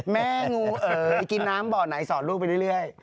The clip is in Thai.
แม่งูเอ๋ยกินน้ำบ่อไหนสอนลูกไปเรื่อย